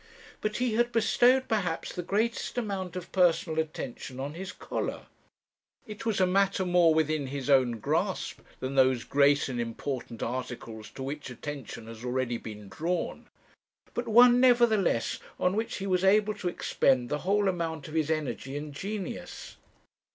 "But he had bestowed perhaps the greatest amount of personal attention on his collar. It was a matter more within his own grasp than those great and important articles to which attention has been already drawn; but one, nevertheless, on which he was able to expend the whole amount of his energy and genius.